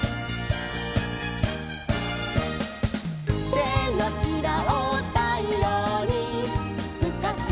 「てのひらをたいようにすかしてみれば」